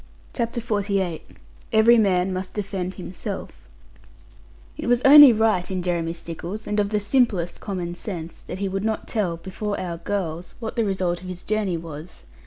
CHAPTER XLVIII EVERY MAN MUST DEFEND HIMSELF It was only right in Jeremy Stickles, and of the simplest common sense, that he would not tell, before our girls, what the result of his journey was.